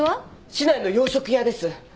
市内の洋食屋です。